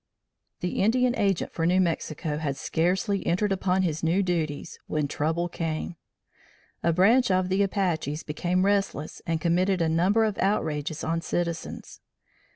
The Indian Agent for New Mexico had scarcely entered upon his new duties, when trouble came. A branch of the Apaches became restless and committed a number of outrages on citizens.